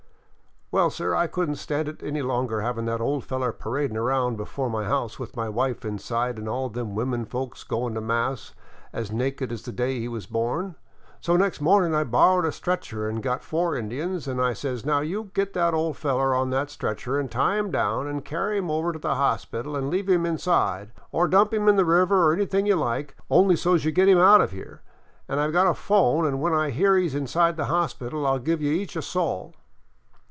"Well, sir, I couldn't stand it no longer having that ol' feller paradin' around before my house, with my wife inside an' all of them women folks goin' to mass, as naked as the day he was born. So next mornin' I borrowed a stretcher an' got four Indians, an' I says, * Now you git that ol' feller on that stretcher an' tie him down an' carry him over to the hospital an' leave him Inside, or dump him in the river or anything you like, only so 's you git him out of here. An' I 've got a phone an' when I hear he 's inside the hospital I '11 give I you each a sol.'